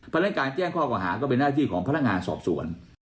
พลังงานแจ้งข้อกว่าหาก็เป็นหน้าที่ของพลังงานสอบสวน